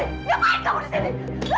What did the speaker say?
ngapain kamu disini